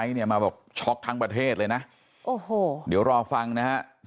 ไม่เกี่ยวกับคนประเทศศุรเชษภาค